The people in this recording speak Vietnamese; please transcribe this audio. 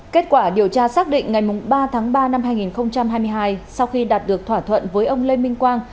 kết quả điều tra xác định ngày ba tháng ba năm hai nghìn hai mươi hai sau khi đạt được thỏa thuận với ông lê minh quang